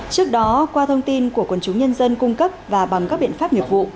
trước đó qua thông tin của quần chúng nhân dân cung cấp và bằng các biện pháp nghiệp vụ